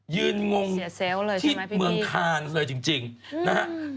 ยืนงงที่เมืองคานเลยจริงนะฮะเสียเซลล์เลยใช่ไหมพี่พี่